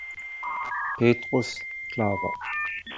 Petrus Claver.